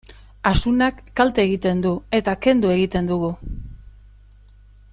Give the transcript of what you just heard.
Asunak kalte egiten du, eta kendu egiten dugu.